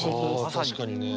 確かにね。